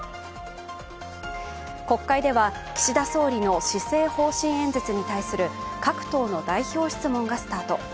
国会では岸田総理の施政方針演説に対する各党の代表質問がスタート。